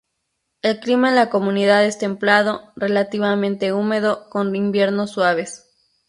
El clima en la comunidad es templado, relativamente húmedo, con inviernos suaves.